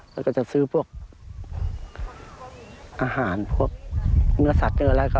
เราก็จะซื้อพวกอาหารพวกเนื้อสัตว์อะไร